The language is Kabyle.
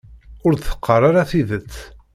Ur d-teqqar ara tidet.